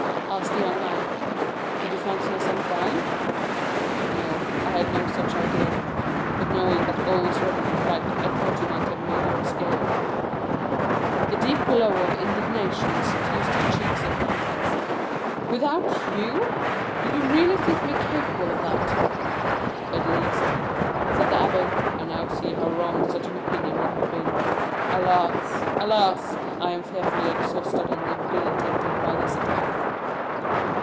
asked the young man. "Did you fancy yourself dying?" "No, I had no such idea; but, knowing that all was ready for flight, I thought you might have made your escape." The deep glow of indignation suffused the cheeks of Dantès. "Without you? Did you really think me capable of that?" "At least," said the abbé, "I now see how wrong such an opinion would have been. Alas, alas! I am fearfully exhausted and debilitated by this attack."